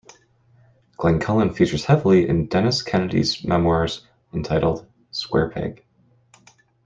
Glencullen features heavily in Dennis Kennedy's memoirs entitled "Square Peg".